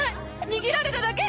握られただけ！